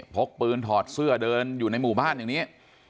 พกปืนถอดเสื้อเดินอยู่ในหมู่บ้านอย่างนี้